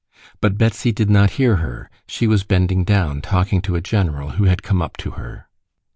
But Betsy did not hear her. She was bending down, talking to a general who had come up to her.